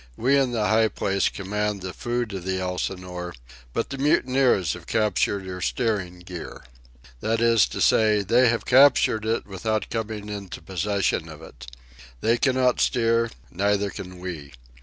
We in the high place command the food of the Elsinore, but the mutineers have captured her steering gear. That is to say, they have captured it without coming into possession of it. They cannot steer, neither can we.